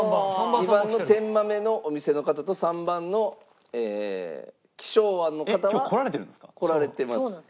２番の天まめのお店の方と３番の貴匠庵の方は。来られてます。